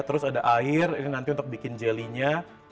terus ada air ini nanti untuk bikin jelinya